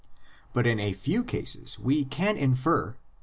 But in a few cases we can infer (i.